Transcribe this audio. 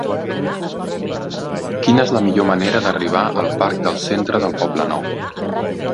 Quina és la millor manera d'arribar al parc del Centre del Poblenou?